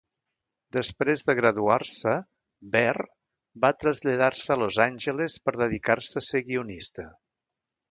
Després de graduar-se, Behr va traslladar-se a Los Angeles per dedicar-se a ser guionista.